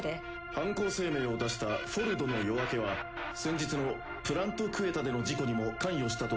犯行声明を出した「フォルドの夜明け」は先日のプラント・クエタでの事故にも関与したとされ。